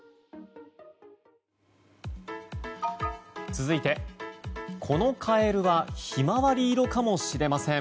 続いて、このカエルはヒマワリ色かもしれません。